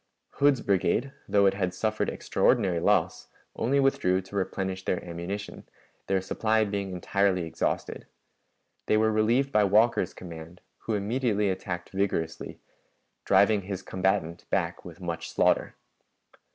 Hood's brigade, though it had suffered extraordinary loss, only withdrew to replenish their ammunition, their supply being entirely exhausted. They were relieved by Walker's command, who immediately attacked vigorously, driving his combatant back with much slaughter.